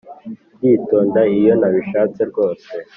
nditonda iyo nabishatse rwose